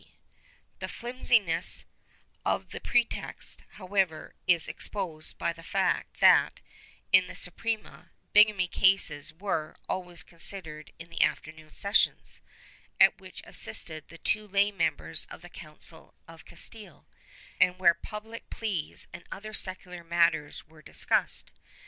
^ The flimsiness of the pretext, however, is exposed by the fact that, in the Suprema, bigamy cases were always considered in the afternoon sessions, at which assisted the two lay members of the Council of Castile, and where public pleas and other secular matters were discussed."